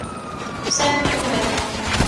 Sempre co mesmo.